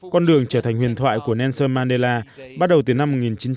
con đường trở thành huyền thoại của nelson mandela bắt đầu từ năm một nghìn chín trăm bảy mươi